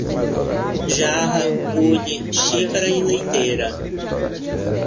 Jarra, bule, xícara e leiteira